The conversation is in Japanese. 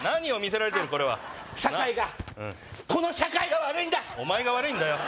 社会がこの社会が悪いんだお前が悪いんだよ